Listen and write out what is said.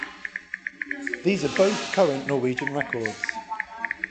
These are both current Norwegian records.